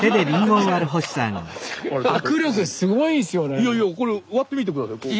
いやいやこれ割ってみて下さい。